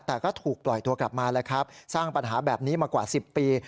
แต่ก็ถูกปล่อยตัวกลับมาแล้วครับสร้างปัญหาแบบนี้มากว่า๑๐ปี